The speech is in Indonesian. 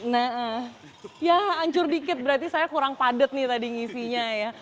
nah ya hancur dikit berarti saya kurang padat nih tadi ngisinya ya